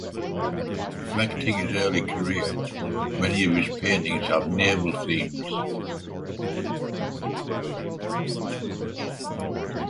Reflecting his early career, many of his paintings have naval themes.